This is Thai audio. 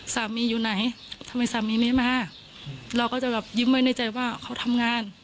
สามีอยู่ไหนทำไมสามีไม่มาเราก็จะแบบยิ้มไว้ในใจว่าเขาทำงาน